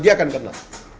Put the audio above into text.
dia akan kena